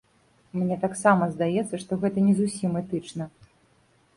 Мне таксама здаецца, што гэта не зусім этычна.